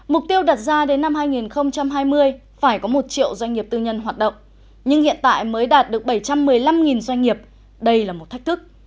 mục tiêu đặt ra đến năm hai nghìn hai mươi phải có một triệu doanh nghiệp tư nhân hoạt động nhưng hiện tại mới đạt được bảy trăm một mươi năm doanh nghiệp đây là một thách thức